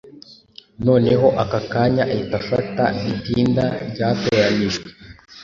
Noneho ako kanya ahita afata itinda ryatoranijwe